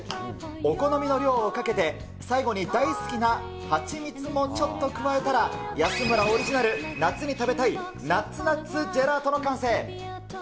お好みの量をかけて、最後に大好きな蜂蜜もちょっと加えたら、安村オリジナル、夏に食べたい、ナッツナッツジェラートの完成。